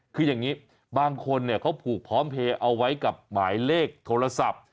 คืออย่างนี้บางคนเขาผูกพร้อมเพลย์เอาไว้กับหมายเลขโทรศัพท์